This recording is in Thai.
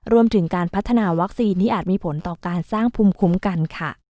รวมถึงการพัฒนาวัคซีนที่อาจมีผลต่อการสร้างภูมิคุ้มกันค่ะ